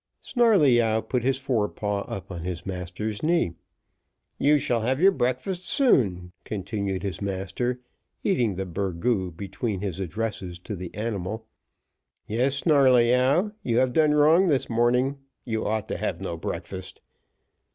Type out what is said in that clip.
Snarleyyow put his forepaw up on his master's knee. "You shall have your breakfast soon," continued his master, eating the burgoo between his addresses to the animal. "Yes, Snarleyyow, you have done wrong this morning you ought to have no breakfast."